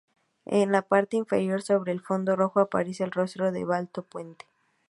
En la parte inferior sobre el fondo rojo, aparece el rostro de Balto Puente.